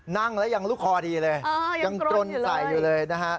นั่งแล้วยังลูกคอดีเลยยังตรนใส่อยู่เลยนะฮะ